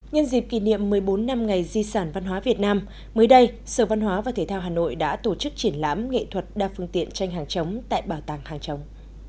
nhân dịp kỷ niệm một mươi bốn năm ngày di sản văn hóa việt nam mới đây sở văn hóa và thể thao hà nội đã tổ chức triển lãm nghệ thuật đa phương tiện tranh hàng chống tại bảo tàng hàng trống